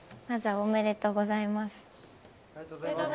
ありがとうございます。